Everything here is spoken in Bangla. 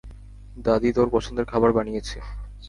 দাদী তোর পছন্দের খাবার বানিয়েছে!